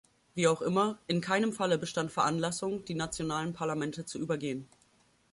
Wie auch immer, in keinem Falle bestand Veranlassung, die nationalen Parlamente zu übergehen.